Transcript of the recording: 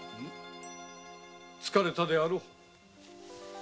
疲れたであろう。